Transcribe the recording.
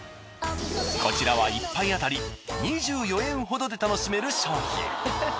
こちらは１杯当たり２４円ほどで楽しめる商品。